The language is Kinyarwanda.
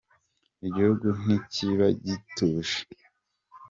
Igihugu ntikiba gituje